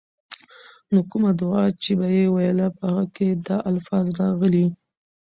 نو کومه دعاء چې به ئي ويله، په هغې کي دا الفاظ راغلي: